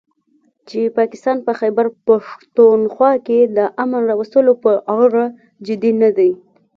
چې پاکستان په خيبرپښتونخوا کې د امن راوستلو په اړه جدي نه دی